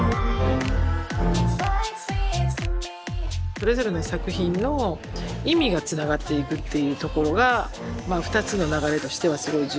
それぞれの作品の意味がつながっていくっていうところがまあ２つの流れとしてはすごい重要だから。